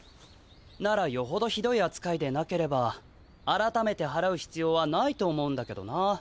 ならよほどひどいあつかいでなければあらためてはらうひつようはないと思うんだけどな。